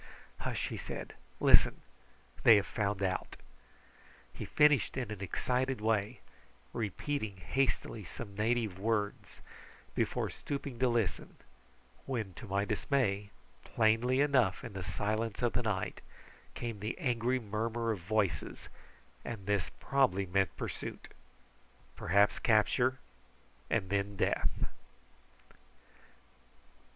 "Hush!" he said. "Listen! They have found out." He finished in an excited way, repeating hastily some native words before stooping to listen, when, to my dismay, plainly enough in the silence of the night came the angry murmur of voices, and this probably meant pursuit perhaps capture, and then death.